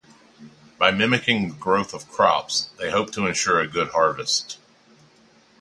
By mimicking the growth of crops, they hope to ensure a good harvest.